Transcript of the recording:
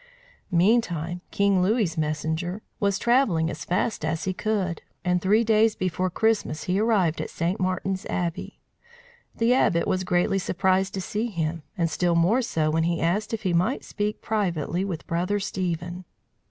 Meantime, King Louis's messenger was travelling as fast as he could, and three days before Christmas he arrived at St. Martin's Abbey. The Abbot was greatly surprised to see him, and still more so when he asked if he might speak privately with Brother Stephen.